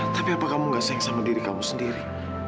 tapi apa kamu gak sengk sama diri kamu sendiri